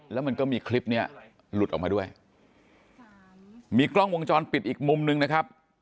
แล้วมันก็มีคลิปเนี้ยหลุดออกมาด้วยมีกล้องวงจรปิดอีกมุมนึงนะครับ